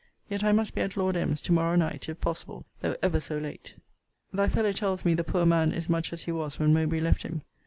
Yet I must be at Lord M.'s to morrow night, if possible, though ever so late. Thy fellow tells me the poor man is much as he was when Mowbray left him.